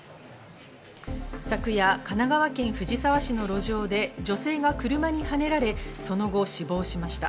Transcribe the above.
昨夜、神奈川県藤沢市の路上で女性が車にはねられ、その後死亡しました。